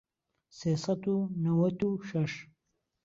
سێ سەد و نەوەت و شەش